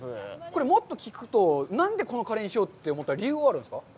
これ、もっと聞くと、何でこのカレーにしようって思った理由はあるんですか。